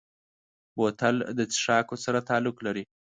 بوتل د څښاکو سره تعلق لري.